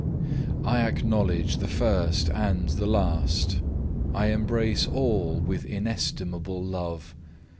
4. "I acknowledge the first and the last; I embrace all with inestimable love.